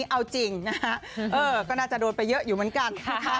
เอาจริงนะฮะก็น่าจะโดนไปเยอะอยู่เหมือนกันนะคะ